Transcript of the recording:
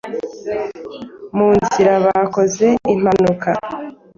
mu nzira bakoze impanuka